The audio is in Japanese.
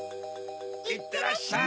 いってらっしゃい！